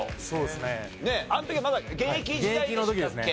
あの時はまだ現役時代でしたっけ？